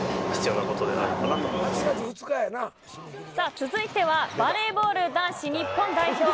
続いてはバレーボール男子日本代表。